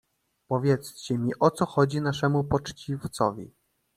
"Powiedzcie mi o co to chodzi naszemu poczciwcowi?"